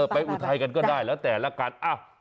อุทัยกันก็ได้แล้วแต่ละกัน